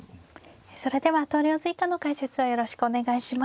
それでは投了図以下の解説をよろしくお願いします。